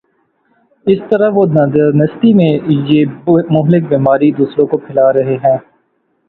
اس طرح وہ نادانستگی میں یہ مہلک بیماری دوسروں کو پھیلا رہے ہیں۔